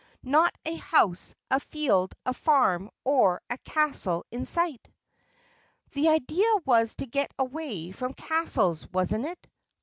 "Not a house, a field, a farm or a castle in sight." "The idea was to get away from castles, wasn't it?"